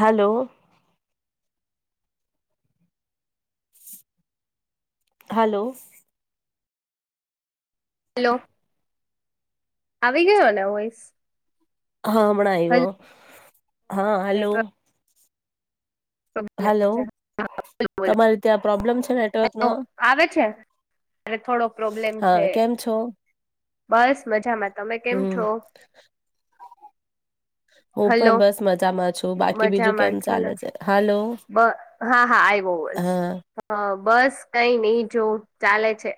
Hello hello hello આવી ગયોને voice? હહ હમણાં આઈવો. હહ હલો નેટવર્ક બોલો હલો બોલો તમારે ત્યાં પ્રોબ્લેમ છે હલો નેટવર્કનો આવે છે. એટલે થોડો પ્રોબ્લેમ હા છે. કેમ છો બસ મજામાં. તમે કેમ હમ છો? હું હલો પણ બસ મજામાં છું. બાકી બીજું કેમ મજામાં છો ચાલે ને છે? હાલ બ હા હા આયવો વોઈસ. હા હહ બસ કઈ નહી જોવ ચાલે છે.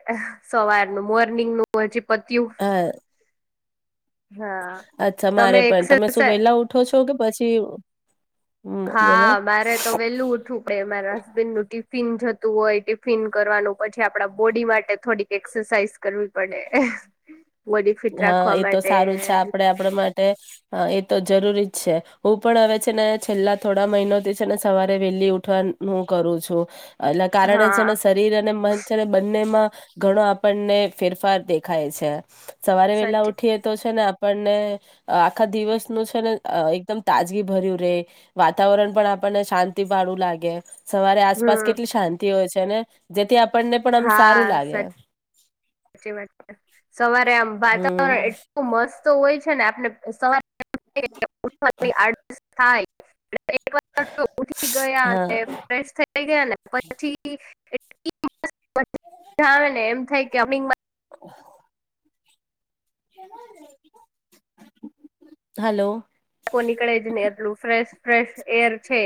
સવારનું મોર્નિંગનું હજી પત્યું હા હા અચ્છા મારે પન તમે શું વહેલા ઉઠો છો કે પછી હમ બોલો હા મારે તો વેલું ઉઠવું પડે મારા હસબેન્ડનું ટિફિન જ તું હોય, ટિફિન કરવાનું, પછી આપણા બોડી માટે થોડીક એક્સરસાઇઝ કરવી પડે. બોડી ફિટ હહ રાખવા એ તો માટે સારું છે આપડે આપણા માટે અ એતો જરૂરી જ છે. હું પણ હવે છે ને છેલ્લા થોડા મહિનોથી છે ને સવારે વેલી ઉઠવા હું કરું છું. એટલે કારણે છે ને હા શરીર અને મન છે ને બંનેમાં ઘણો આપણને ફેરફાર દેખાય છે. સવારે વેલા સાચી ઉઠીએ તો છે ને આપ પ આખા દિવસ નુ છે ને અ એકદમ તાજગી ભર્યું રે વાતાવરણ પણ આપણને શાંતિ પાળું લાગે સવારે આસપાસ હમ કેટલી શાંતિ હોય છે ને જેથી આપ આપને પણ આમ સારું લાગે સા વા સવારે આમ વાતાવરણ હમ એટલું મસ્ત તો હોય છે ને આપને સ આ થાય હ એક વાર ઉઠી ગયા હા અને ફ્રેશ થઈ ગયા ને પછી આવેને એમ થાય કમિંગમાં [inaudible] હલો નીકળે જ ને એટલું ફ્રેશ ફ્રેશ એર છે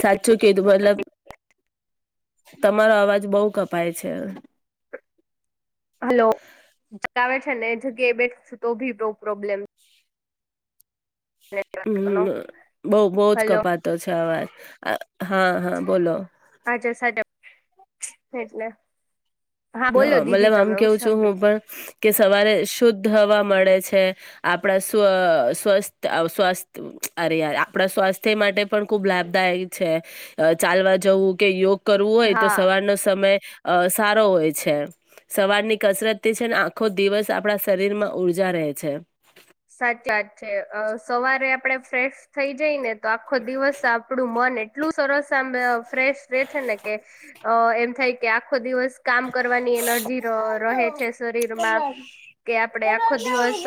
સાચું કીધું મતલબ તમારો અવાજ બહુ કપાય છે હલો ચલાવે છે ને એ જગ્યાએ બેઠું તો ભી પ્રોબ્લેમ હમ બઉ બહ જ હલો કપાતો છે આવાજ હા હા બોલો હચર સાચ એટલે બોલો હા દીદી મતલબ આમ તમે કેવું છું હું સાંભળીશ પણ કે સવારે શુદ્ધ હવા મળે છે આપણા સ્વથ સ્વસ્થ અરેય આપણા સ્વાસ્થ્ય માટે પણ ખુબ લાભદાયક છે ચાલવા જવું કે યોગ કરવું હોય તો હા સવારનો સમય અ સારો હોય સવાર ની કસરત તે છે ને આખો દિવસ આપણા શરીર માં ઉર્જા રહે છે સાચી વાત છે સવારે આપડે ફ્રેશ થઈ જાય ને તો આખો દિવસ આપડું મન એ એટલું સરસ સાંભળ ફ્રેશ રે છે ને કે અ એમ થાય કે આખો દિવસ કામ કરવાની એનર્જી રહે છે શરીરમાં કે આપડે આખો દિવસ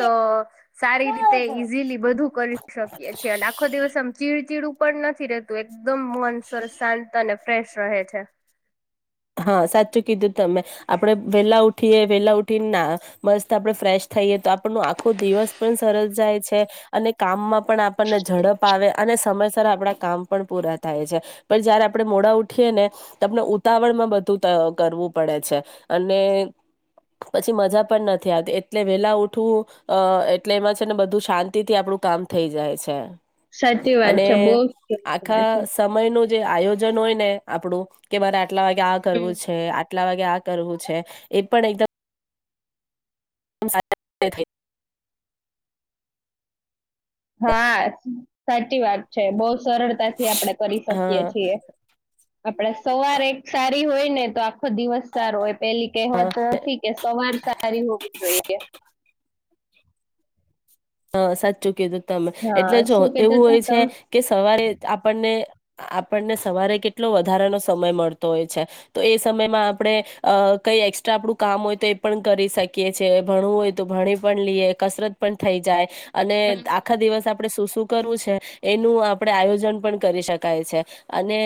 સારી રીતે ઈઝીલી બધું કરી શકીએ છીએ, અને આખો દિવસ આમ ચી ચીડું ઉપ નથી રહેતુંમ એકદમ મન સરસ શાંત અને ફ્રેશ રહે છે, હા સાચું કીધું તમે આપડે વેલા ઉઠીએ વેલા ઉઠીને ના મસ્ત આપડણે ફ્રેશ થઈએ, તો આપણનો આખો દિવસ પણ સરળ જાય છે, અને કામમાં પણ આપણને ઝડપ આવે અને સમજ આપણા કામ પણ પૂરા થાય છે, પણ જયારે આપણે મોડા ઉઠીએ ને આપને ઉતાવળ બધું કરવું પડે છે અને પછી મજા પણ નથી આવતી એટલે વેલા ઉઠવું અ એટલે એમાં છે, ને બધું શાંતિ થી આપડું કામ થઈ જાય છે. સાચી વાત અને છે બહ છે, આખા સમયનું આયોજન હોય ને આપડું કે મારે લાગ ક્યાં હમ કરવું છે, કેટલા વાગે આ કરવું છે, એ પણ એકદમ હ સા કર થ હા, સાચી વાત છે, બહ સરતાથી આપણે કરી હા શકીએ છીએ, આપ સવારે હોય ને તો આ આખો દિવસ સારો હો પેલી હા કહેવાત નથી, કે સવાર સારી હોવીું જોઈએ, હા સાચ ચુકી છે, તમે હા એટલે જો શું કહેતા એવું હોય હતા છે તમે કે સવારે આપણને આપણને સવારે કેટલો વધારાનો સમય મળતો હોય છે, તો એ સમયમાં આપણે અ કઈ એસ્ટ્રા આપણું કામ હોય તો એ પણ કરી શકીએ છીએ, ભણવું હોય તો ભણી પણ લઈએ કસરત પણ થઈ જાય અને આખા દિવસ આપ આપણે શું શું કરવું છે, એનું આપણે આયોજન પણ કરી શકાય છે, અને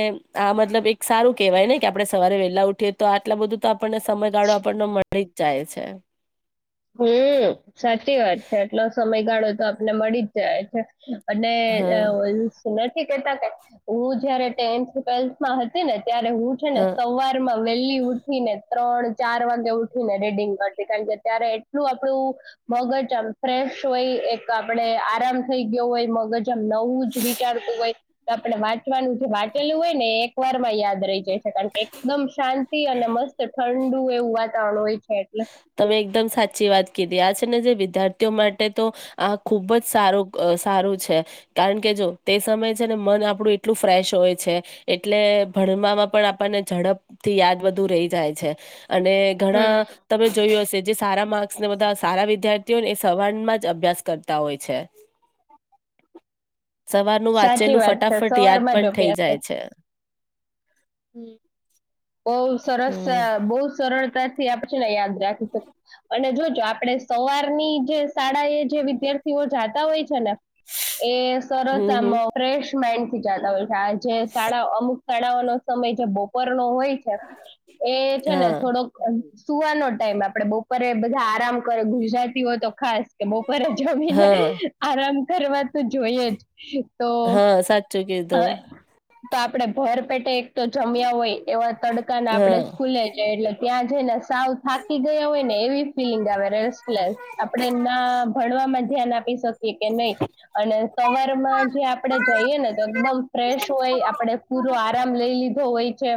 આ મતલબ એક સારું કેહેવાય ને કે આપણે સવારે વલી ઉઠી તો આટલા બધું તો આપણને સમયગાળો આપણને મળે ચઇ છે હમ સાચી વાત છે એટલો સમયગાળો તો આપને મળી જ જાય છે, અનેને હા તા હું જયારે ટેન્થ ટ્વેલ્થમાં હતી ને ત્યારે હું છે, ને હા સવાર માં વહેલી ઉઠીને ત્રણ ચાર વાગે ઉઠી ને રેડિંગ કરતી કારણ કે ત્યારે એટલું આપડું મગજ આમ ફ્રેશ હોય એક આપડ આરામ થઈ, ગયો હોય મગજ આમ નવું જ વિચારતું હોય તો આપણે વાત જે વાંચેલું હોય ને એક વાર માં યાદ રહી જાય છે કારણ કે એકદમ શાંતિ અને મસ્ત ઠંડુ એવું વાતાવરણ હોય છે એટલે તમે એકદમ સાચ ી વાત કી આ છેને જે વિદ્યાર્થીઓ માટે તો આ ખુબ જ સારું સારું છે કારણ કે જો તે સમયે છે ને મન આપણું એટલું ફ્રેશ હોય છે એટલે ભણવામાં પણ આપણને ઝડપ થી યાદ બધું રહી જાય છે અને હમ ઘણા જે સારા માર્ધા સારા વિદ્યાર્થીઓને સવારમાં જ અભ્યાસ કરતા હોય છે સવારનું સાચી વાંચેલું વાત છે ફટાફટ યાદ સવારમાં જ પણ થઇ અભ્યાસ કર જાય છે હમ બહ સરસ હમ બહુ સરળતા આપ છે ને યાદ રાખી શકીએ અને જોજ આપણે સવારની જે શાળા એ જે વિદ્યાર્થીઓ જાતા હોય છે ને એ સરસ હમ હમ આામો ફેશ હોય છે આ જે શાળા અમુક કડાવનું સમય જે બપોર નો હોય એ છે ને હા થોડોક સુવાનો ટાઈમ આપડે બપોરે બધા આરામ કરે ગુજરાતીઓ તો ખાસ કે બપોરે જમીને હા આરામ કરવા તો જોઈ જ તો હા સાચું કીધું તો આપડે ભર પેટે તો જમ્યા હોય એવા તડકા ના આપણે હા સ્કૂલે જ એટલે ત્યાં જઈને સાવ થાકી ગયા હોય ને એવી ફિલિંગ આવે રેસ્ટલેસ આપડે ના ભણવામાં ધ્યાન એ એ કે નહી અને સવાર માં જે આપડણે જઈએ ને તો એકદમ ફ્રેશ હોય આપણેે પૂરો આરામ લઈ લીધું ગોઈ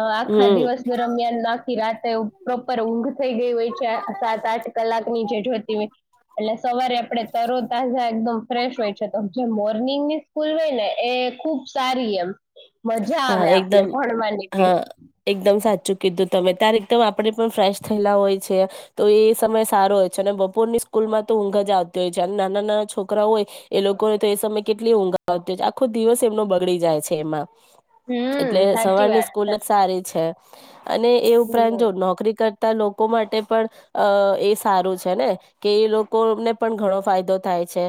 આખા હમ દિવસ દરમિયાન થી રાતે પ્રોપર ઊંઘ થઈ ગઈ હોય છે સાત આઠ કલાક ની જે જોતી હોય એટલે સવારે આપડણે તરો તજા એકદમ ફ્રેશ હોય છે તો જે મોર્નિંગની સ્કૂલ હોય ને એ ખુબ સારી એમ મજા આવ્યા એકમ હા એકદમ સાચ ચૂકીીધું તમે તાર એકદમ આપણે પણ ફ્રેશ થયેલા હોય છે તો એ સમય સારો હોય છે અને બપોરની સ્કૂલમાં તો ઊંઘ જ આવતી હોય છે અને નાના નાના છોકરા હોય એ લોકોને તો એ સમય કેટલી ઊંઘ આવતી હોય છે આખો દિવસ એમનો બગડી જાય છે એમાં એટલે હમ સાચી સવારની વાત સ્કૂલ છે જ સારી છે અને એ ઉપરાંત જો હમ નોકરી કર લોકો માટે પણ અ એ સારું છે ને કે એ લોકોને પણ ઘણો ફાયદો થાય છે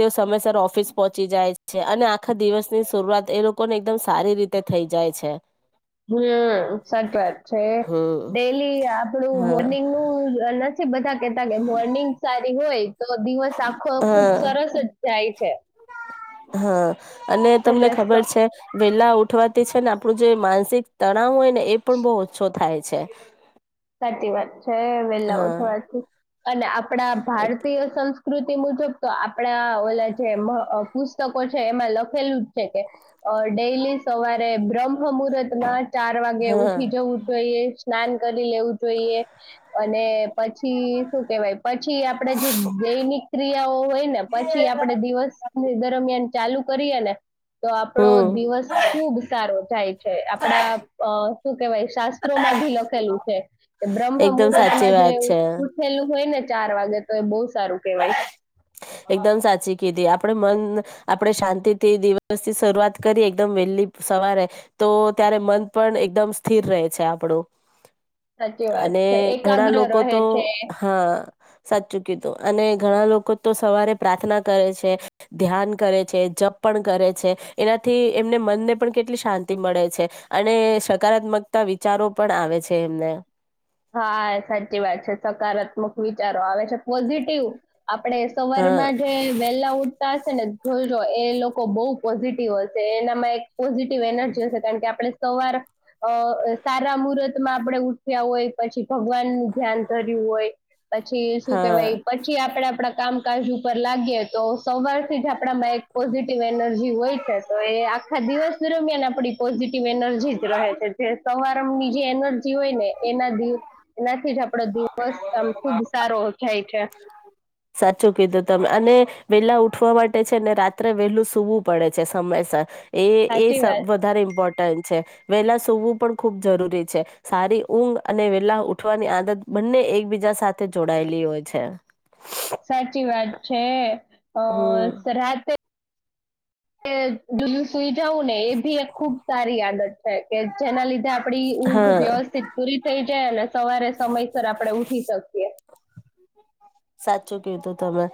તે સમયસર ઓફિસ પહોંચી જાય છે અને આખા દિવસની શરૂઆત એ લોકોને એકદમ સારી રીતે થઇ જાય છે હમ સાચી વાત છે હમ ડેલી આપણું હા મોર્નિંગ નું બધા કે મોર્નિંગ સારી હોય તો દિવસ આખો ખુબ હા સરસ જ જાય છે હા અને તમને એટલે સ- ખબર છે વેલા ઉઠવાતી છે ને આપણું જે માનસિક તણાવ હોય ને એ પણ બહુ ઓછો થાય છે સાચી વાત છે વેલા હા ઉઠવાથી અને આપડા ભારતીય સંસ્કૃતિ કૃતિ મુજબ તો આપડા ઓલા જે પુસ્તકો છે એમાં લખેલું જ છે કે ડેલી સવારે બ્ર્મ મુહૂર્ત માં ચાર વાગે હા ઉઠી જવું જોઈ [unintelligible] લેવું જોઈએ અને પછી શું કેહેવાય પછી આપણે જે દૈનિક ક્રિયાઓ હોય ને પછી આપડે દિવસ દરમિયાન ચાલુ કરીએ ને તો આપડો હમ દિવસ ખુબ સારો જાય છે આપડા અ શું કેવાય શાસ્ત્રોમાં ભી લખેલું છે બ્રહ્મ એકદમ મુહૂર્ત સાચી માં જે વાત છે ઉઠેલું હોય ને ચાર વાગે તો એ બહુ સારું કેવાય એકદમ સાચી કીધી આપણે મન આપણે શાંતિ થી દિવસથી શરૂઆત કરીએ એકદમ વહેલી સવારે તો ત્યારે મન પણ એકદમ સ્થિર રહે છે આપણું સાચી વાત અને છે ઘણા એકાગ્ર લોકો રહે તો છે હા સાચું કિધું અને ઘણા લોકો તો સવારે પ્રાર્થના કરે છે ધ્યાન કરે છે જપ પણ કરે છે એનાથી એમને મનને પણ કેટલી શાંતિ મળે છે અને સકારાત્મકતા વિચારો પણ આવે છે એમને હા સાચી વાત છે સકારાત્મક વિચારો આવે છે પોઝિટિવ આપડણે સવાર હા માં જે વેલા ઉઠતા હશે ને જોજો એ લોકો બહુ પોઝિટિવ હશે એનામાં એક પોઝિટિવ એનર્જી હશે કારણ કે આપણે સવાર અ સારા મુહૂર્ત માં આપણેે ઉઠ્યા હોય પછી ભગવાન ધ્યાન ધર્યું હોય પછી શું હા કેવાય પછી આપડે આપડા કામકાજ ઉપર લાગીએ તો સવારથી જ આપણામાં એક પોઝિટિવ એનર્જી હોય છે, તો એ આખા દિવસ દરમિયાન આપણી પોઝિટિવ એનર્જી જ રહે છે, જે તમાવારમ ની જે એનર્જી હોય ને એના [unintelligible] એનાથી જ આપડો દિવસ આમ ખુબ સારો થાય છે, સાચું કીધું તમે અને વેલા ઉઠવા માટે છે, ને રાત્રે વેલું સુૂવું પડે છે સમયસર એ એ સાચી સ વાત વધારે ઇમ્પોર્ટન્ટ છે, વેલા સવું પણ ખુબ જરૂરી છે સારી ઊંઘ અને વેલા ઉઠવાની આદત બંને એકબીજા સાથે જોડાયેલી હોય છે. સાચી વાત છે અ હમ સરહત દ સુઈ જવું ને એ બી એક ખુબ સારી આદત છે, કે જેના લીધે આપડી ઊંઘ હા વ્યવસ્થિત પૂરી થઈ. ને સવારે સમયસર આપડે ઉઠી શકીએ. સાચું કીધું તમે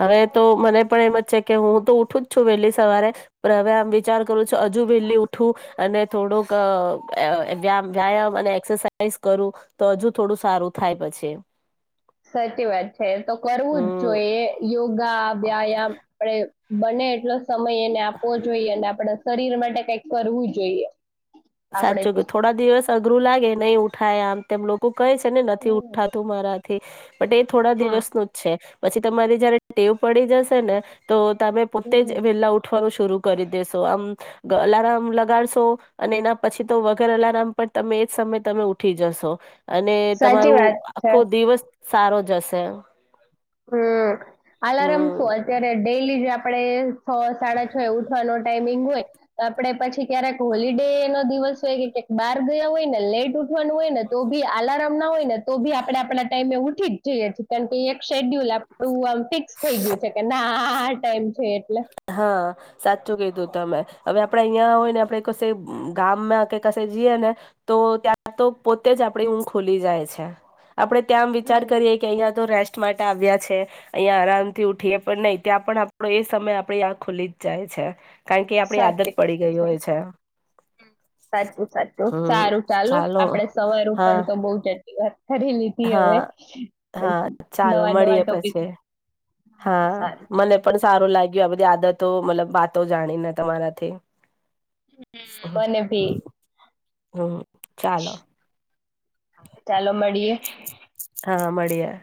હવે તો મને પણ એમ છે, કે હું તો ઉઠું જ છું વહેલી સવારે હવેમ વિચાર કરું છું, હજુ વહેલી ઉઠું અને થોડુંક વ વ્યાયામ અને એક્સરસાઇઝ કરું તો હજુ થોડું સારું થાય પછી, સાચી વાત છે, તો કરવું જ હમ જોઈએ યોગા વ્યાયામ આપડે બને એટલો સમય એને આપવો જોઈએ અને આપડે શરીર માટે કઈક કરવું જોઈએ, આપણે સાચું કે થોડા દિવસ અઘરું લાગે નહી, ઉ ઠાય આમતેમ લોકોગ કહે છે, ને નથી હમ ઉઠાતું મારા [unintelligible] બટ એ થોડા હા દિવસ નું જ છે, પછી તમારી જયારે ટેવ પડી જશે ને તો તમે પોતે હમ જ વેલા ઉઠવાનું શર કરી દેેશો આમ ગલારમ લગાડશો અને એના પછી તો વગર અલારમ પણ તમે એજ સમય તમે ઉઠી જશો અને સાચી તમારું વાત છે આખો દિવસ સારો જશે હમ્મ અલાર્મ હમ શું અત્યારે ડેલી જે આપણે છ સાડા છ એ ઉઠવાનો ટાઈમિંગ હોય તો આપડે પછી ક્યારેક હોલિડે નો દિવસ કે ક્યાંક બહાર ગયા હોય ને લેટ ઉઠવાનું હોય ને તો બી આલારમ ના હોય ને તો બી આપણે આપણા ટાઈમ ઉ ઠીક જી જ [unintelligible] શેડ્યુલ આપણુ આમ ફિક્સ થઈ ગયું છે કે ના આ ટાઈમ છે એટલે હા સાચું કીધું તમે હવે આપડે અહીંયા હોય ને આપડે કસે ગામમાં કે ક જઈએ ને તો ત્યાં તો પોતે જ આપણે ઊંઘ ખોલી જાય છે આપણે ત્યાંમ વિચાર હમ કરીએ કે અહિયાં રેસ્ટ માટે આવ્યા છે અહીયા આરામ થી ઉઠીએ પણ નહી ત્યાં પણ આપડો એ સમય આપડી આ ખુલી જ જાય છે કારણ કે આપડી આદત સાચી પડી ગઈ હોય છે સાચું સાચું સારું ચાલો આપડે સવાર ઉપર હા તો બઉ ચ વા કરી લીધી હવે હા હા ચાલો નવા નવા મળીએ ટોપિક પછી હા સારું મને પણ સારું લાગ્યું આ બધી આદતો મતલબ વાતો જાણીને તમારાથી મને ભી હા ચાલો ચાલો મળીએે હા મળ્યે